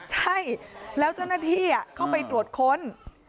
ใช่แล้วเจ้าหน้าที่เข้าไปตรวจค้น